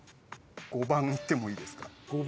５番いってもいいですか？